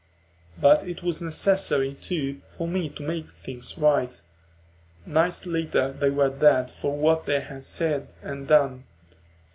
But it was necessary, too, for me to make things right. Nights later they were dead for what they had said and done.